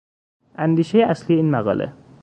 اندیشهی اصلی این مقاله